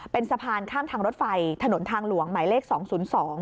เป็นสะพานข้ามทางรถไฟถนนทางหลวงหมายเลขสองศูนย์สอง